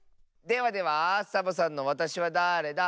ではではサボさんの「わたしはだれだ？」。